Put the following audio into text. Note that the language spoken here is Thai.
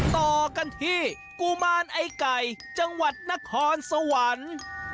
ต่อกันที่กุมารไอ้ไก่จังหวัดนครสวรรค์